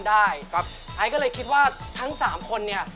ไอซ์ก็เลยคิดว่าทั้งสามคนเนี่ย